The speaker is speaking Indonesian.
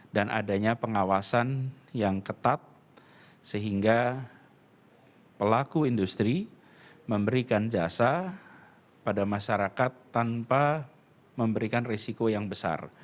dan adanya pengawasan yang ketat sehingga pelaku industri memberikan jasa pada masyarakat tanpa memberikan risiko yang besar